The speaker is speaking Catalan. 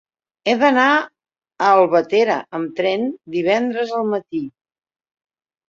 He d'anar a Albatera amb tren divendres al matí.